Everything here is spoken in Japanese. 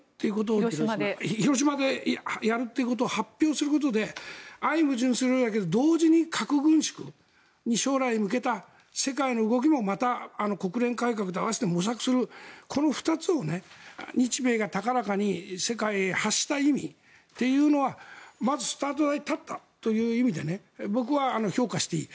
広島でやるということを発表することで相矛盾するようだけど同時に核軍縮に将来向けた世界の動きもまた国連改革と併せて模索するこの２つを日米が高らかに世界に発した意味というのはまずスタートラインに立ったという意味で僕は評価していい。